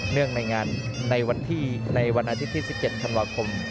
ในงานในวันอาทิตย์ที่๑๗ธันวาคม